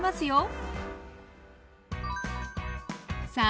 さあ